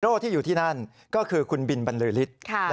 ที่อยู่ที่นั่นก็คือคุณบินบรรลือฤทธิ์